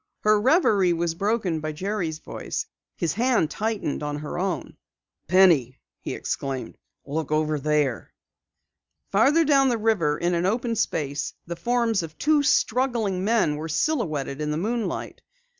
Her reverie was broken by Jerry's voice. His hand tightened on her own. "Penny!" he exclaimed. "Look over there!" Farther down the river in an open space, the forms of two struggling men were silhouetted in the moonlight.